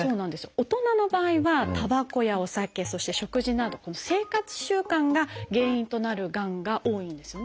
大人の場合はたばこやお酒そして食事など生活習慣が原因となるがんが多いんですよね。